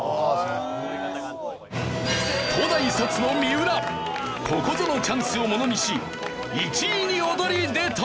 東大卒の三浦ここぞのチャンスをものにし１位に躍り出た！